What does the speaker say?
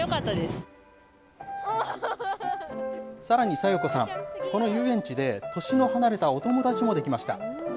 さらに、咲代子さん、この遊園地で年の離れたお友達も出来ました。